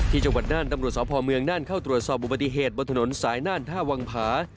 จังหวัดน่านตำรวจสพเมืองน่านเข้าตรวจสอบอุบัติเหตุบนถนนสายน่านท่าวังผา